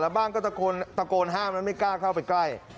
แล้วบ้างก็ตะโกนห้ามมันไม่กล้าเข้าไปใกล้